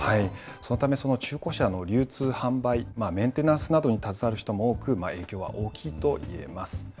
そのため、中古車の流通・販売、メンテナンスなどに携わる人も多く、影響は大きいといえます。